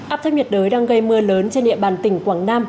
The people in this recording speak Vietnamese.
áp thấp nhiệt đới đang gây mưa lớn trên địa bàn tỉnh quảng nam